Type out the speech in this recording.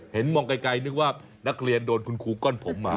มองไกลนึกว่านักเรียนโดนคุณครูก้อนผมมา